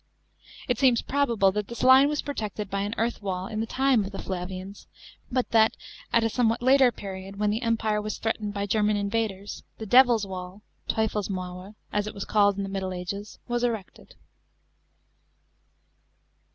It seems probable that this line was pro tected by an earth wall in the time of the Flavians, but that, at a somewhat later period, when the Empire was threatened by German invaders, the "devil's wall" (Teufelsmauer), as it was called in the middle ages, was erected.